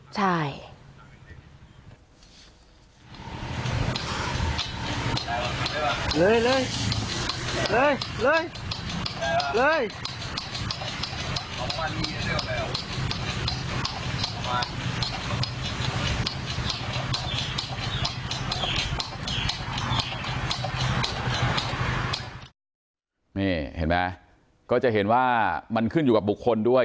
นี่เห็นไหมก็จะเห็นว่ามันขึ้นอยู่กับบุคคลด้วย